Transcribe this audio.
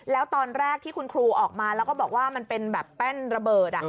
แล้วตอนแรกที่คุณครูออกมาแล้วก็บอกว่ามันเป็นแบบแป้นระเบิด